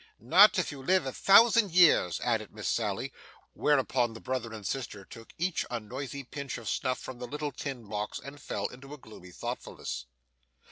'Not if you live a thousand years,' added Miss Sally. Whereupon the brother and sister took each a noisy pinch of snuff from the little tin box, and fell into a gloomy thoughtfulness.